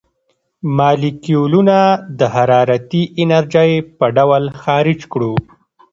مالیکولونه د حرارتي انرژۍ په ډول خارج کړو.